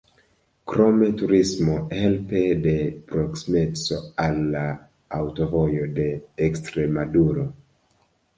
Krome turismo helpe de proksimeco al la Aŭtovojo de Ekstremaduro.